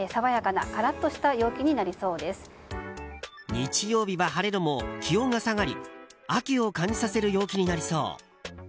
日曜日は晴れるも気温が下がり秋を感じさせる陽気になりそう。